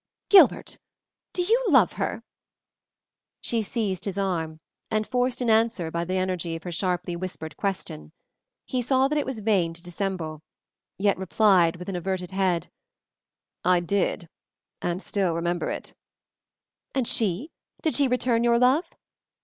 "Gilbert, do you love her?" She seized his arm and forced an answer by the energy of her sharply whispered question. He saw that it was vain to dissemble, yet replied with averted head, "I did and still remember it." "And she? Did she return your love?"